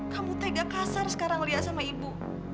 kamu tega kasar sekarang lihat sama ibu